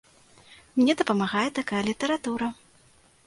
Мне дапамагае такая літаратура.